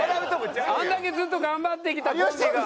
あんだけずっと頑張ってきたコンビが。